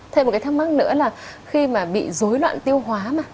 thêm một cái thắc mắc nữa là khi mà bị dối loạn tiêu hóa mà